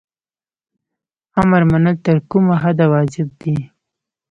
امر منل تر کومه حده واجب دي؟